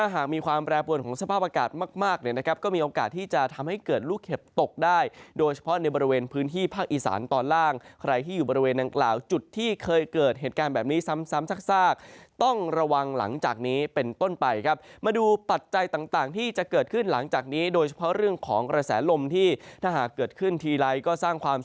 หากมีความแปรปวนของสภาพอากาศมากมากเนี่ยนะครับก็มีโอกาสที่จะทำให้เกิดลูกเห็บตกได้โดยเฉพาะในบริเวณพื้นที่ภาคอีสานตอนล่างใครที่อยู่บริเวณดังกล่าวจุดที่เคยเกิดเหตุการณ์แบบนี้ซ้ำซ้ำซากต้องระวังหลังจากนี้เป็นต้นไปครับมาดูปัจจัยต่างที่จะเกิดขึ้นหลังจากนี้โดยเฉพาะเรื่องของกระแสลมที่ถ้าหากเกิดขึ้นทีไรก็สร้างความ